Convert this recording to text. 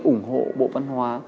ủng hộ bộ văn hóa